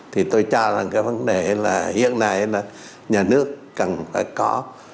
thì tôi cho rằng cái vấn đề là hiện nay là nhà nước cần phải có